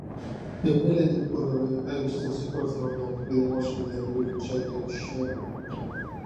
Emel edip olary aýrylyşdyrjak bolsaňam ýaňky biziň bolşumyz ýaly gülkünç ýagdaýa düşýäň.